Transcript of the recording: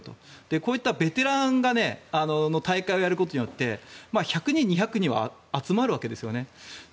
こういったベテランの大会をやることによって１００人、２００人は集まるわけですよね。